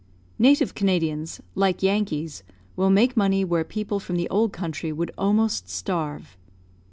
Native Canadians, like Yankees, will make money where people from the old country would almost starve.